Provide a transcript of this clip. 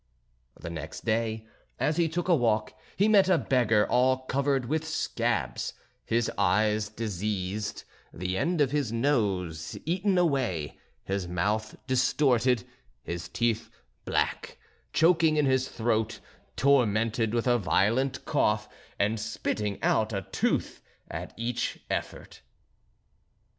The next day, as he took a walk, he met a beggar all covered with scabs, his eyes diseased, the end of his nose eaten away, his mouth distorted, his teeth black, choking in his throat, tormented with a violent cough, and spitting out a tooth at each effort.